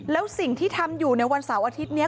แล้วสิ่งที่ทำอยู่ในวันเสาร์อาทิตย์นี้